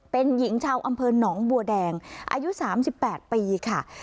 เป็นหญิงชาวอำเภอหนองบัวแดงอายุ๓๘ปีค่ะ